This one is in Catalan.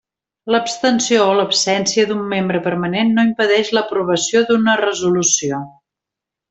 L'abstenció o l'absència d'un membre permanent no impedeix l'aprovació d'una resolució.